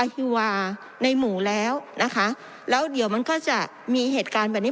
ฮิวาในหมู่แล้วนะคะแล้วเดี๋ยวมันก็จะมีเหตุการณ์แบบนี้